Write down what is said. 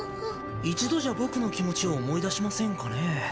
一度じゃ僕の気持ちを思い出しませんかねぇ？